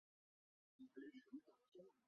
瓦莫什乔拉德。